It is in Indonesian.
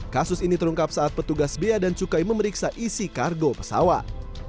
kasus ini terungkap saat petugas bea dan cukai memeriksa isi kargo pesawat